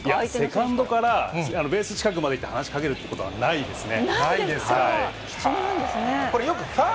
セカンドからベース近くまで行って話しかけるということはないですね。